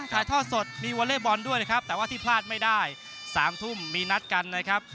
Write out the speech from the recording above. ถ่ายทอดสดมีวอเล่บอลด้วยนะครับแต่ว่าที่พลาดไม่ได้๓ทุ่มมีนัดกันนะครับ